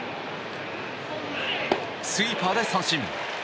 スイーパーで三振。